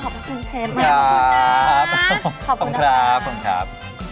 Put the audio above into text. ขอบคุณเชฟขอบคุณค่ะขอบคุณค่ะขอบคุณค่ะขอบคุณค่ะ